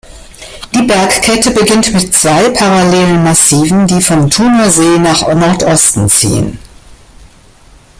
Die Bergkette beginnt mit zwei parallelen Massiven, die vom Thunersee nach Nordosten ziehen.